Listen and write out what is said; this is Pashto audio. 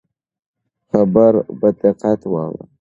خبره په دقت واوره.